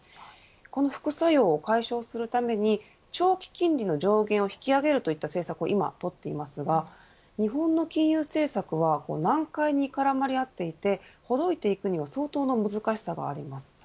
その副作用を解消するために長期金利の上限を引き上げるといった政策を今とっていますが日本の金融政策は難解に絡まり合っていてほどいていくには相当な難しさがあります。